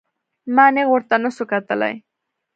ما نېغ ورته نسو کتلى.